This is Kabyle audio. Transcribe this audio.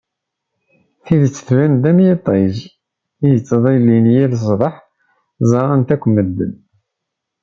Tidet tban-d am yiṭij i d-yettḍillin yal ṣṣbeḥ ẓran-t akk medden.